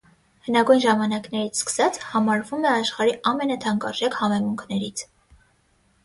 Հնագույն ժամանակներից սկսած, համարվում է աշխարհի ամենաթանկարժեք համեմունքներից։